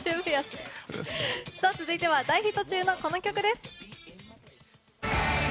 続いては大ヒット中のこの曲です。